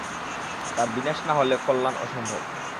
তার বিনাশ না হলে কল্যাণ অসম্ভব।